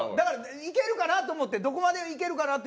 いけるかなって思ってどこまでいけるかなって。